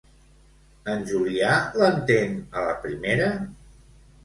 En Julià l'entén a la primera?